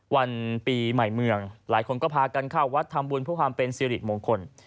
วันปีใหม่เมืองหลายคนก็พากันเข้าวัดทำบุญเพื่อความเป็นสิริมงคล